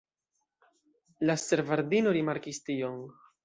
La stevardino rimarkis tion.